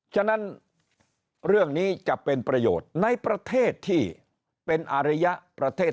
ฉะนั้นเรื่องนี้จะเป็นประโยชน์ในประเทศที่เป็นอารยะประเทศ